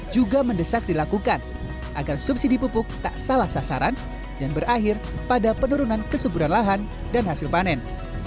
juga mendesak dilakukan agar subsidi pupuk tak salah sasaran dan berakhir pada penurunan kesuburan lahan dan hasil panen